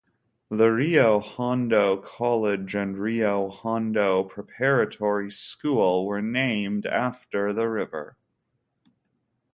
The Rio Hondo College and Rio Hondo Preparatory School were named after the river.